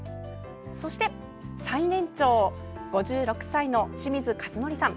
そして、最年長５６歳の清水一憲さん。